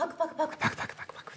パクパクパクパク。